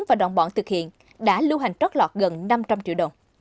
và đồng bọn thực hiện đã lưu hành trót lọt gần năm trăm linh triệu đồng